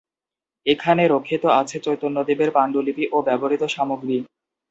এখানে রক্ষিত আছে চৈতন্যদেবের পাণ্ডুলিপি ও ব্যবহৃত সামগ্রী।